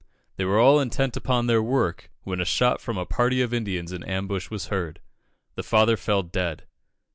They were all intent upon their work, when a shot from a party of Indians in ambush was heard. The father fell dead.